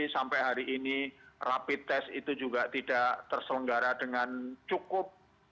sampai hari ini rapid test itu juga tidak terselenggara dengan cukup